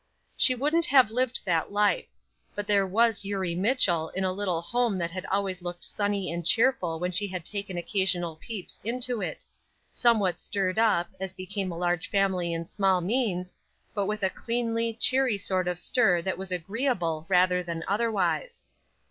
She wouldn't have lived that life; but there was Eurie Mitchell, in a little home that had always looked sunny and cheerful when she had taken occasional peeps into it somewhat stirred up, as became a large family and small means, but with a cleanly, cheery sort of stir that was agreeable rather than otherwise.